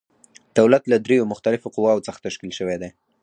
دولت له دریو مختلفو قواوو څخه تشکیل شوی دی.